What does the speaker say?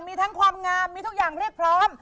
มีทั้งความงามมีทุกอย่างเรียกพร้อม